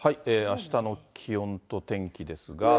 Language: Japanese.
あしたの気温と天気ですが。